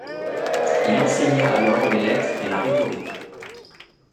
Il enseigna alors les lettres et la rhétorique.